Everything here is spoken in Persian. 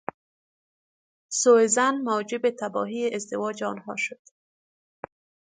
سو ظن موجب تباهی ازدواج آنها شد.